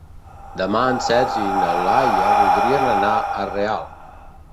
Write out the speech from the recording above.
Demà en Sergi i na Laia voldrien anar a Real.